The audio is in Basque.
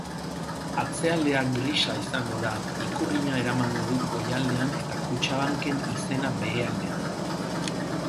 Atzealdea grisa izango da, ikurriña eramango du goialdean eta kutxabanken izena behealdean.